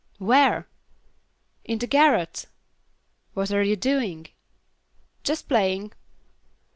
"Where?" "In the garret." "What are you doing?" "Just playing."